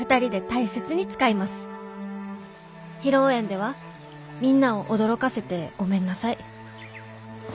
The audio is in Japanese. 「披露宴ではみんなを驚かせてごめんなさい」。